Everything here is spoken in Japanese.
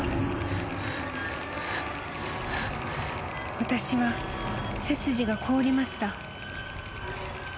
［私は背筋が凍りました］